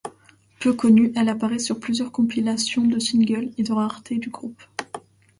Peu connue, elle apparaît sur plusieurs compilations de singles et de raretés du groupe.